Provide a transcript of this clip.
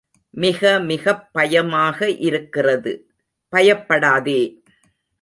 மிகப் மிகப் பயமாக இருக்கிறது. பயப்படாதே!